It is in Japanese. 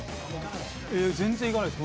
全然行かないです